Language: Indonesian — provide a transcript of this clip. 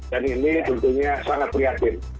dan ini tentunya sangat prihatin